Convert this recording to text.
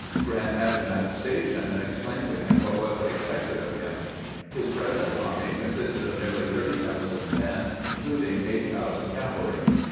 Grant met him at the station, and explained to him what was expected of him. His present army con sisted of nearly thirty thousand men, including eight thousand cavalry.